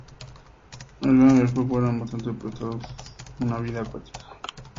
El cráneo y el cuerpo eran bastante aplastados como consecuencia de una vida acuática.